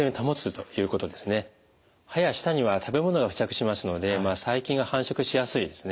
歯や舌には食べ物が付着しますので細菌が繁殖しやすいですね。